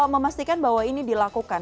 memastikan bahwa ini dilakukan